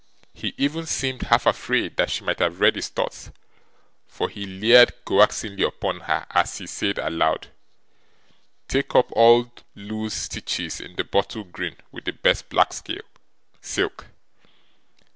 He even seemed half afraid that she might have read his thoughts; for he leered coaxingly upon her, as he said aloud: 'Take up all loose stitches in the bottle green with the best black silk.